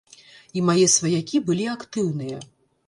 І мае сваякі былі актыўныя.